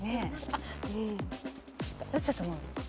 どっちだと思う？